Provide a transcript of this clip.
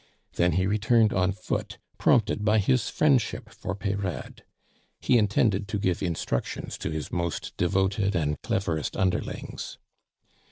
Then he returned on foot, prompted by his friendship for Peyrade. He intended to give instructions to his most devoted and cleverest underlings.